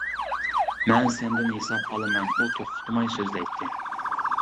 مەن سەندىن ھېساب ئالىمەن-ئۇ توختىماي سۆزلەيتتى.